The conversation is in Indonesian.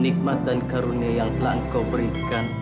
nikmat dan karunia yang telah engkau berikan